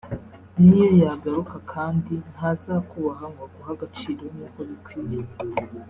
niyo yagaruka kandi ntazakubaha ngo aguhe agaciro nkuko bikwiye